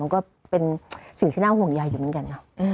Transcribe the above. มันก็เป็นสิ่งที่น่าห่วงยายอยู่เหมือนกัน